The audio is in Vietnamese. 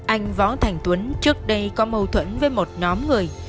anh võ thành tuấn trước đây có mâu thuẫn với một nhóm người